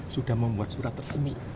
sudah membuat surat resmi